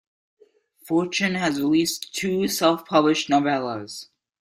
Forstchen has released two self-published novellas.